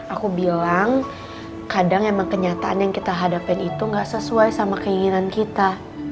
aku bilang kadang emang kenyataan yang kita hadapin itu gak sesuai sama keinginan kita